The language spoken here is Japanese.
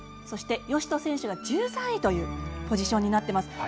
そして、善斗選手が１３位というポジションになっています。